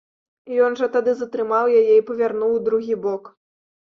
Ён жа тады затрымаў яе і павярнуў у другі бок.